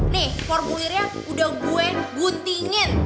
nih formulirnya udah gue guntingin